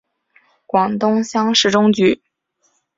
广东乡试中举。